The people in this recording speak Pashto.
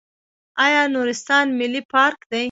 آیا نورستان ملي پارک دی؟